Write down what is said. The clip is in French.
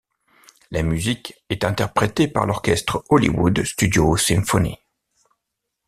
La musique est interprétée par l'orchestre Hollywood Studio Symphony.